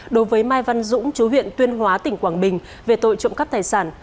đối với mai văn dũng chú huyện tuyên hóa tỉnh quảng bình về tội trộm cắp tài sản